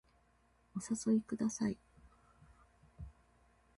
お誘いください